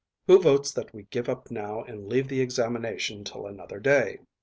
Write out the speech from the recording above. "Who votes that we give up now and leave the examination till another day?"